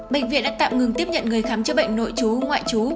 bệnh viện đã tạm ngừng tiếp nhận người khám chữa bệnh nội trú ngoại trú